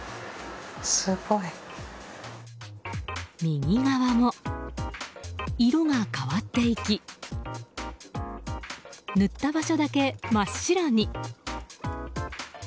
右側も色が変わっていき塗った場所だけ真っ白に。